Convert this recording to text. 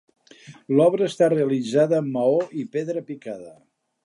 L'obra està realitzada amb maó i pedra picada.